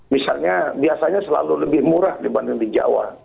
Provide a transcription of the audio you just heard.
misalnya biasanya selalu lebih murah dibanding di jawa